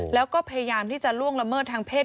แล้วก็พยายามที่จะล่วงละเมิดทางเพศ